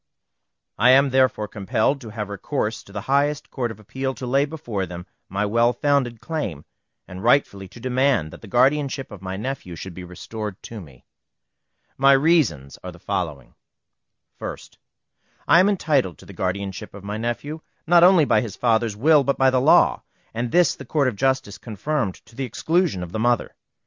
I am therefore compelled to have recourse to the highest Court of Appeal to lay before them my well founded claim, and rightfully to demand that the guardianship of my nephew should be restored to me. My reasons are the following: 1st. I am entitled to the guardianship of my nephew, not only by his father's will, but by law, and this the Court of Justice confirmed to the exclusion of the mother.